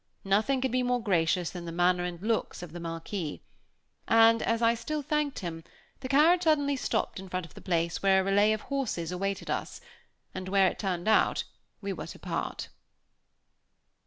Nothing could be more gracious than the manner and looks of the Marquis; and, as I still thanked him, the carriage suddenly stopped in front of the place where a relay of horses awaited us, and where, as it turned out, we were to part.